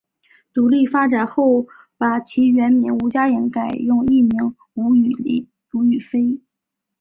独立发展后把其原名吴家颖改用艺名吴雨霏。